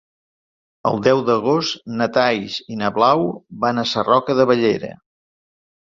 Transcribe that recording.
El deu d'agost na Thaís i na Blau van a Sarroca de Bellera.